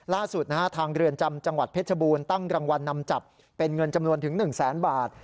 ล่าสุดนะฮะทางเรือนจำจังหวัดเพชรบูรณ์ตั้งรางวัลนำจับเป็นเงินจำนวนถึง๑แสนบาท